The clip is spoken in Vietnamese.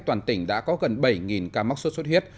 toàn tỉnh đã có gần bảy ca mắc sốt xuất huyết